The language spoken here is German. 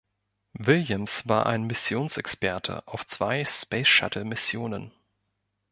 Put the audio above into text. Williams was ein Missionsexperte auf zwei Spaceshuttle-Missionen.